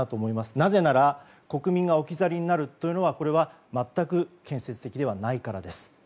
なぜなら、国民が置き去りになるというこれは全く建設的ではないからです。